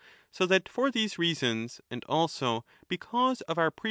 So that for these reasons and also because of our previous 15 17 : cf.